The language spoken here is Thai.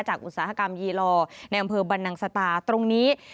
อุตสาหกรรมยีลอในอำเภอบรรนังสตาตรงนี้